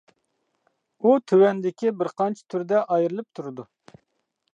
ئۇ تۆۋەندىكى بىر قانچە تۈردە ئايرىلىپ تۇرىدۇ.